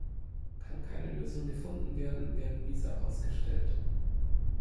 Kann keine Lösung gefunden werden, werden Visa ausgestellt.